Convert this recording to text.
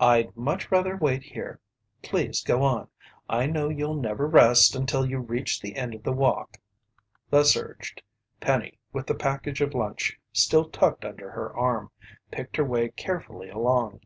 "I'd much rather wait here. Please go on. I know you'll never rest until you reach the end of the walk." Thus urged. Penny, with the package of lunch still tucked under her arm, picked her way carefully along.